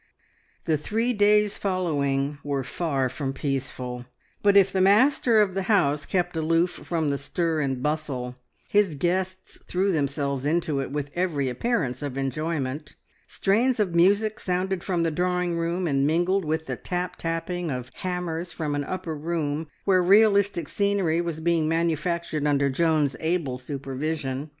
The three days following were far from peaceful, but if the master of the house kept aloof from the stir and bustle, his guests threw themselves into it with every appearance of enjoyment. Strains of music sounded from the drawing room and mingled with the tap tapping of hammers from an upper room where realistic scenery was being manufactured under Joan's able supervision.